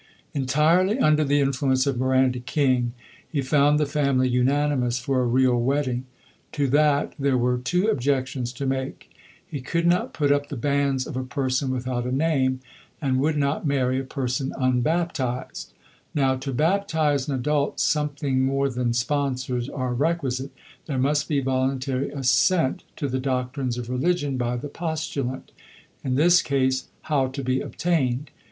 Entirely under the influence of Miranda King, he found the family unanimous for a real wedding. To that there were two objections to make. He could not put up the banns of a person without a name, and would not marry a person unbaptised. Now, to baptise an adult something more than sponsors are requisite; there must be voluntary assent to the doctrines of religion by the postulant. In this case, how to be obtained?